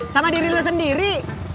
sama diri lo sendiri